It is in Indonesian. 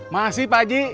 masih pak ji